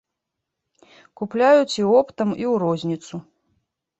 Купляюць і оптам, і ў розніцу.